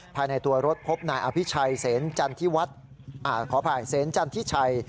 ภายในตัวรถพบนายอภิชัยเสนจันทิวัฒน์ขออภัยเซนจันทิชัย